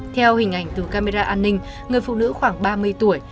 theo hình ảnh từ camera an ninh người phụ nữ khoảng ba mươi tuổi